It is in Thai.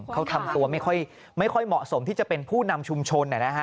เขาทำตัวไม่ค่อยเหมาะสมที่จะเป็นผู้นำชุมชน